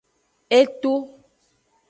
E to.